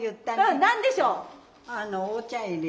うん何でしょう？